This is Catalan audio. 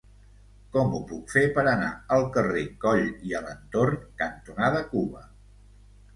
Com ho puc fer per anar al carrer Coll i Alentorn cantonada Cuba?